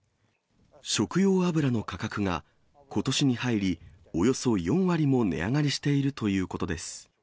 食用油の価格が、ことしに入り、およそ４割も値上がりしているということです。